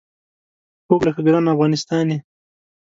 خوږ لکه ګران افغانستان یې